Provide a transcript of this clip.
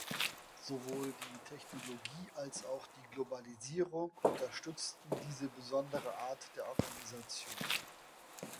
Sowohl die Technologie als auch die Globalisierung unterstützen diese besondere Art der Organisation.